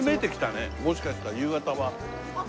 もしかしたら夕方は。